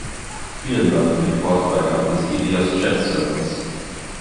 Vielen Dank für die Portfreigabe des Ilias Chat-Servers!